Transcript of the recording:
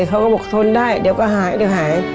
เขาก็บอกทนได้เดี๋ยวก็หาย